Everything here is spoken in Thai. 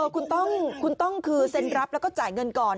คุณต้องคือเซ็นรับแล้วก็จ่ายเงินก่อน